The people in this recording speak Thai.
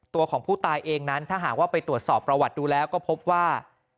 ตัวของผู้ตายเองนั้นถ้าหากว่าไปตรวจสอบประวัติดูแล้วก็พบว่า